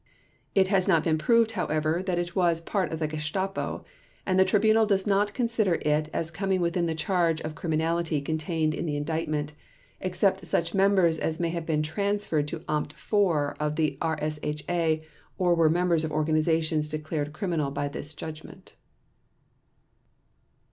It has not been proved, however, that it was a part of the Gestapo and the Tribunal does not consider it as coming within the charge of criminality contained in the Indictment, except such members as may have been transferred to Amt IV of the RSHA or were members of organizations declared criminal by this Judgment.